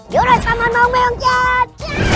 jurus paman mau meyongcat